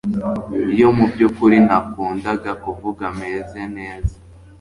iyo mubyukuri nakundaga kuvuga, meze neza